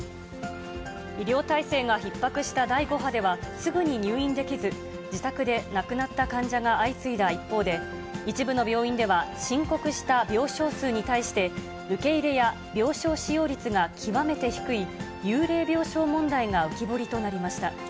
医療体制がひっ迫した第５波では、すぐに入院できず、自宅で亡くなった患者が相次いだ一方で、一部の病院では、申告した病床数に対して、受け入れや病床使用率が極めて低い、幽霊病床問題が浮き彫りとなりました。